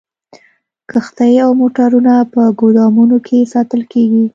کښتۍ او موټرونه په ګودامونو کې ساتل کیږي